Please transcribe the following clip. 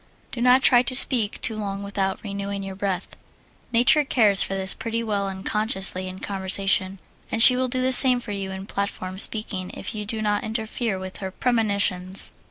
Do not try to speak too long without renewing your breath. Nature cares for this pretty well unconsciously in conversation, and she will do the same for you in platform speaking if you do not interfere with her premonitions.